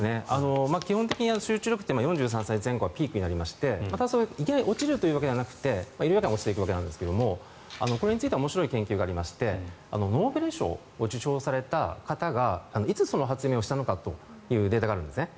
基本的に集中力って４３歳前後がピークになりましていきなり落ちるというわけではなくて緩やかに落ちていくわけなんですがこれについて面白い研究がありましてノーベル賞を受賞された方がいつ、その発明をしたのかというデータがあるんですね。